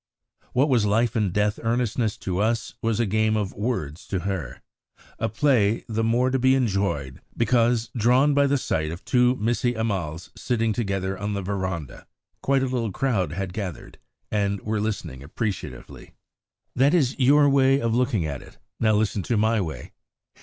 What was life and death earnestness to us was a game of words to her; a play the more to be enjoyed because, drawn by the sight of two Missie Ammals sitting together on the verandah, quite a little crowd had gathered, and were listening appreciatively. "That is your way of looking at it; now listen to my way.